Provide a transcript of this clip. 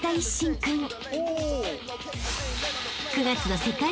［９月の世界大会］